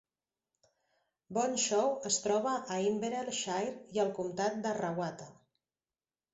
Bonshaw es troba a Inverell Shire i el comtat d'Arrawatta.